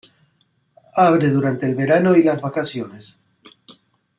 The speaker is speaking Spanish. Abre durante el verano y las vacaciones.